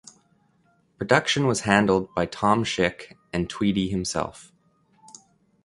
Production was handled by Tom Schick and Tweedy himself.